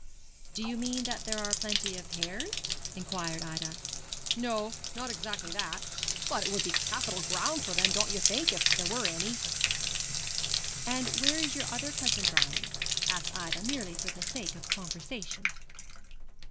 'Do you mean that there are plenty of hares?' inquired Ida. 'No, not exactly that. But it would be capital ground for them, don't you know, if there were any.' 'And where is your other cousin Brian?' asked Ida, merely for the sake of conversation.